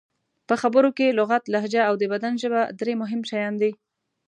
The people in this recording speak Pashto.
په خبرو کې لغت، لهجه او د بدن ژبه درې مهم شیان دي.